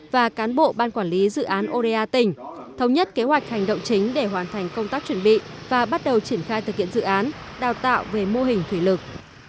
và cán bộ ban quản lý dự án oda tỉnh thống nhất kế hoạch hành động chính để hoàn thành công tác chuẩn bị và bắt đầu triển khai thực hiện dự án đào tạo về mô hình thủy lực